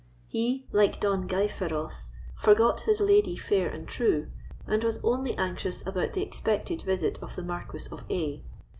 He, like Don Gayferos, "forgot his lady fair and true," and was only anxious about the expected visit of the Marquis of A——.